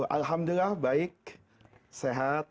alhamdulillah baik sehat